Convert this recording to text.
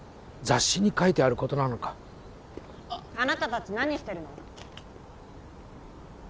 雑誌に書いてあることなのかあなた達何してるの？